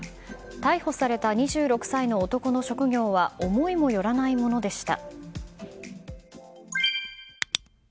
逮捕された２６歳の男の職業は思いもよらないものでした。